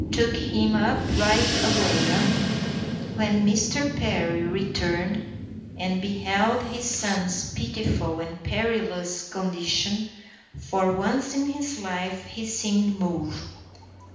Took him up right away, eh?" When Mr. Perry returned, and beheld his son's pitiful and perilous condition, for once in his life he seemed moved.